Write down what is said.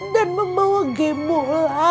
dan membawa gembolan